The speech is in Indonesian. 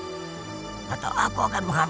jangan sampai aku memandai dia lagi